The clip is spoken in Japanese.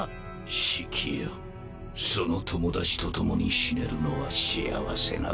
シキよその友達と共に死ねるのは幸せなことだ。